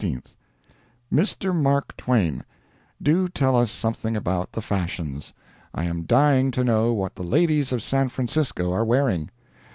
"MR. MARK TWAIN:—Do tell us something about the fashions. I am dying to know what the ladies of San Francisco are wearing.